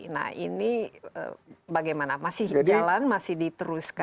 nah ini bagaimana masih jalan masih diteruskan